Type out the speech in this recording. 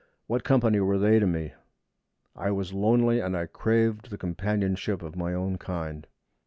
What company were they to me? I was lonely, and I craved the companionship of my own kind.